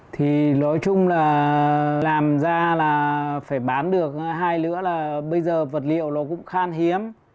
thì nói chung là làm ra là phải bán được hai nữa là bây giờ vật liệu nó cũng khan hiếm